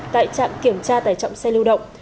tại trạm kiểm tra tải trọng xe lưu động